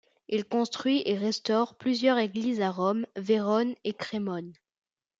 Il construit et restaure plusieurs églises à Rome, Vérone et Crémone.